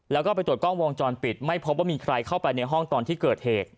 แล้วก็ไปตรวจกล้องวงจรปิดไม่พบว่ามีใครเข้าไปในห้องตอนที่เกิดเหตุ